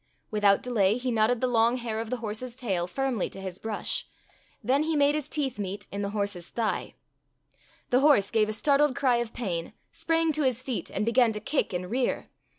Without delay he knotted the long hair of the horse's tail firmly to his brush. Then he made his teeth meet in the horse's thigh. The horse, gave a startled cry of pain, sprang to his feet, and began to kick and rear.